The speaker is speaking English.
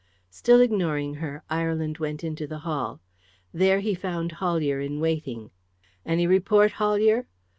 Still ignoring her, Ireland went into the hall. There he found Hollier in waiting. "Any report, Hollier?"